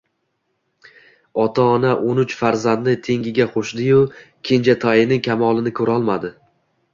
Ota-ona o`n uch farzandni tengiga qo`shdi-yu, kenjatoyining kamolini ko`rolmadi